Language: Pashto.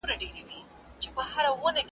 غل د پیشي درب څخه ھم بېرېږي